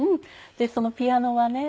そのピアノはね